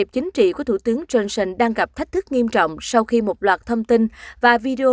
chính trị của thủ tướng johnson đang gặp thách thức nghiêm trọng sau khi một loạt thông tin và video